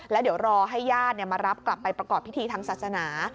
แล้วเดี๋ยวรอให้ญาติมารับกลับไปประกอบพิธีทางศาสนา